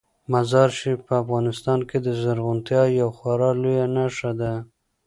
مزارشریف په افغانستان کې د زرغونتیا یوه خورا لویه نښه ده.